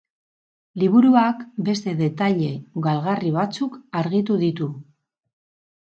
Liburuak beste detaile galgarri batzuk argitu ditu.